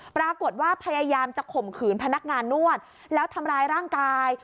พยายามจะข่มขืนพนักงานนวดแล้วทำร้ายร่างกาย